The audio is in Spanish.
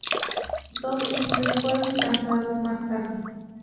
Dos singles fueron lanzados más tarde.